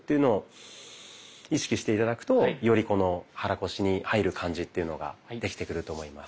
意識して頂くとより肚腰に入る感じというのができてくると思います。